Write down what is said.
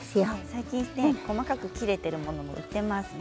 最近は細かく切れているものも売っていますね。